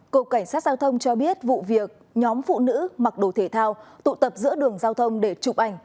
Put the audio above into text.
cộng cảnh sát giao thông cho biết vụ việc nhóm phụ nữ mặc đồ thể thao tụ tập giữa đường giao thông để chụp ảnh